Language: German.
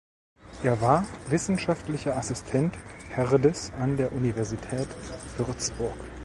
Er war wissenschaftlicher Assistent Herdes an der Universität Würzburg.